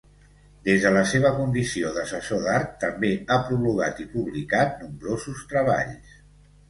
Des de la seva condició d’assessor d’art també ha prologat i publicat nombrosos treballs.